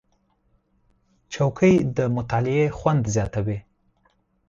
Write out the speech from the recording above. چوکۍ د مطالعې خوند زیاتوي.